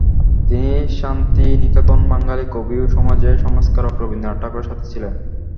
তিনি শান্তিনিকেতনে বাঙালি কবি ও সমাজ সংস্কারক রবীন্দ্রনাথ ঠাকুরের সাথে ছিলেন।